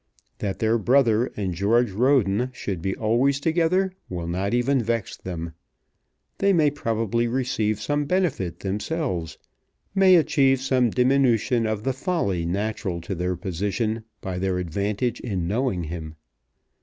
That their brother and George Roden should be always together will not even vex them. They may probably receive some benefit themselves, may achieve some diminution of the folly natural to their position, by their advantage in knowing him.